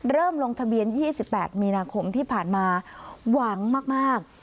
ลงทะเบียน๒๘มีนาคมที่ผ่านมาหวังมาก